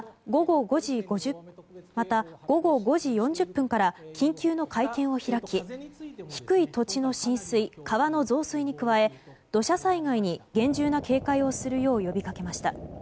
また、午後５時４０分から緊急の会見を開き低い土地の浸水、川の増水に加え土砂災害に厳重な警戒をするよう呼びかけました。